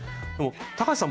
高橋さん